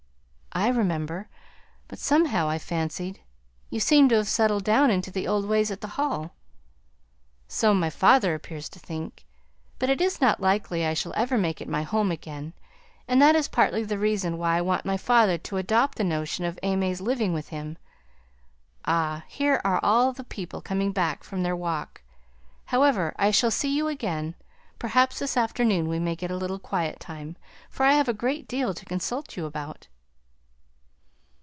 "I remember. But somehow I fancied you seemed to have settled down into the old ways at the Hall." "So my father appears to think. But it is not likely I shall ever make it my home again; and that is partly the reason why I want my father to adopt the notion of AimÄe's living with him. Ah, here are all the people coming back from their walk. However, I shall see you again; perhaps this afternoon we may get a little quiet time, for I have a great deal to consult you about."